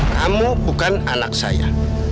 kamu bukan anak saya